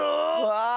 わあ！